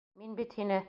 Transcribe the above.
Мин бит һине!..